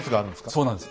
そうなんです。